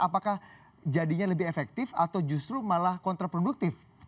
apakah jadinya lebih efektif atau justru malah kontraproduktif